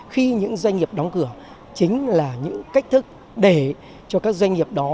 khi những doanh nghiệp đóng cửa chính là những cách thức để cho các doanh nghiệp đó